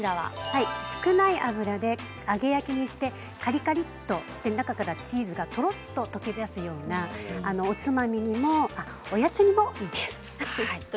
少ない油で揚げ焼きにしてカリカリっとして中からチーズがとろっと溶け出すようなおつまみにも、おやつにもいいです。